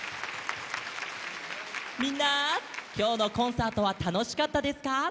みんなきょうのコンサートはたのしかったですか？